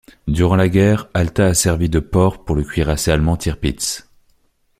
Durant la guerre, Alta a servi de port pour le cuirassé allemand Tirpitz.